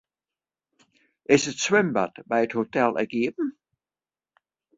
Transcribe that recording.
Is it swimbad by it hotel ek iepen?